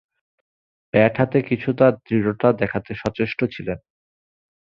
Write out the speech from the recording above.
Bat হাতে নিয়ে কিছুটা দৃঢ়তা দেখাতে সচেষ্ট ছিলেন।